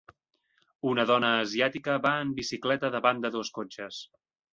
Una dona asiàtica va en bicicleta davant de dos cotxes.